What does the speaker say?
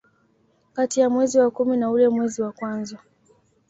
Kati ya mwezi wa kumi na ule mwezi wa kwanza